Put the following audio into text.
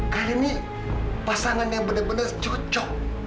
kali ini pasangan yang benar benar cocok